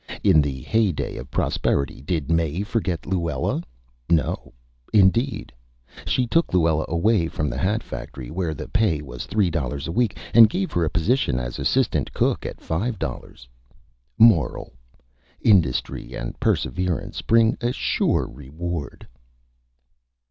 In the Hey Day of Prosperity did Mae forget Luella? No, indeed. She took Luella away from the Hat Factory, where the Pay was three Dollars a Week, and gave her a Position as Assistant Cook at five Dollars. MORAL: _Industry and Perseverance bring a sure Reward.